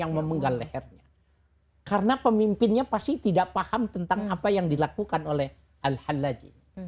yang memenggal lehernya karena pemimpinnya pasti tidak paham tentang apa yang dilakukan oleh al halaji